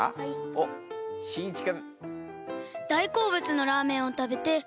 おっしんいち君。